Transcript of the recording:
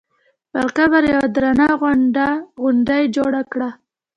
پر قبر یوه درنه غونډه جوړه کړه.